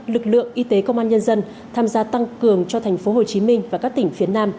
lực lượng y tế công an nhân dân tham gia tăng cường cho thành phố hồ chí minh và các tỉnh phía nam